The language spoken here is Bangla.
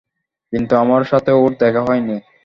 কিন্তু আমার সাথে ওর দেখা হয়নি।